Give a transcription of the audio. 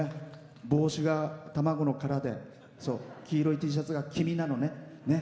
帽子が卵の殻で黄色いＴシャツが黄味なのね。